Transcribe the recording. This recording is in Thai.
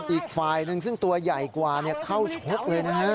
อีกฝ่ายหนึ่งซึ่งตัวใหญ่กว่าเข้าชกเลยนะฮะ